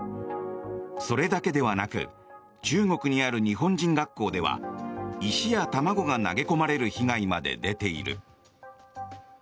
それだけではなく中国にある日本人学校では石や卵が投げ込まれる被害まで出ている。